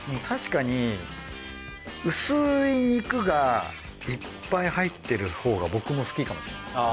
確かに薄い肉がいっぱい入ってるほうが僕も好きかもしれないです。